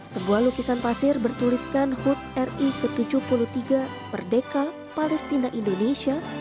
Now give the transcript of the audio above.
sebuah lukisan pasir bertuliskan hud ri ke tujuh puluh tiga merdeka palestina indonesia